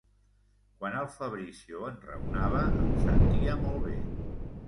Quan el Fabrizio enraonava em sentia molt bé.